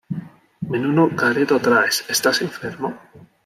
Menudo careto traes, ¿estás enfermo?